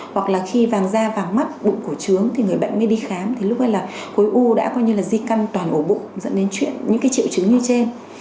hoặc là khi vàng da vàng mắt bụng cổ trướng thì người bệnh mới đi khám thì lúc ấy là khối u đã coi như là di căn toàn ổ bụng dẫn đến chuyện những cái triệu chứng như trên